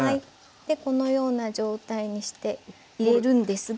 このような状態にして入れるんですが。